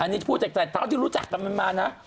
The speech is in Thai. แต่ตลอดที่รู้จักตัวมันมานะ